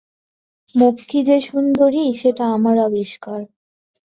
মক্ষী যে সুন্দরী সেটা আমার আবিষ্কার।